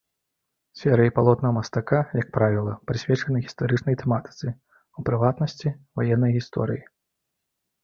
Серыі палотнаў мастака, як правіла, прысвечаны гістарычнай тэматыцы, у прыватнасці, ваеннай гісторыі.